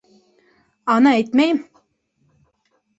Аны әйтмәйем.